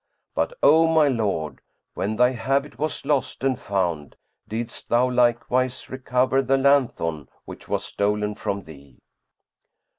But, O my lord, when thy habit was lost and found didst thou likewise recover the lanthorn which was stolen from thee?"